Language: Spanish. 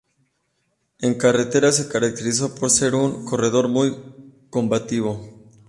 En carretera se caracterizó por ser un corredor muy combativo.